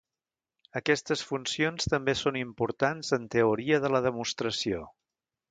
Aquestes funcions també són importants en Teoria de la demostració.